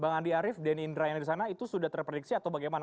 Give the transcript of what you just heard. bang andi arief denny indra yang ada di sana itu sudah terprediksi atau bagaimana